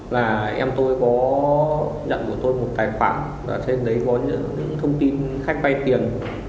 và em tôi có nhận của tôi một tài khoản trên đấy có những thông tin khách bay tiền